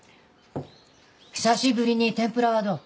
久しぶりに天ぷらはどう。